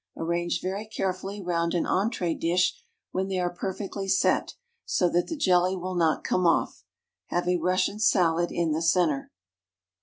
Arrange very carefully round an entrée dish when they are perfectly set, so that the jelly will not come off. Have a Russian salad in the centre.